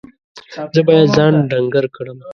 زه باید ځان ډنګر کړم.